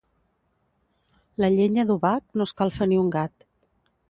La llenya d'obac no escalfa ni un gat.